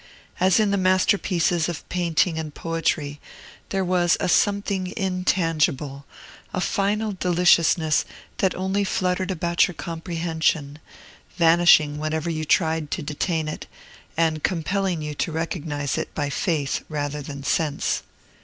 As in the masterpieces of painting and poetry, there was a something intangible, a final deliciousness that only fluttered about your comprehension, vanishing whenever you tried to detain it, and compelling you to recognize it by faith rather than sense.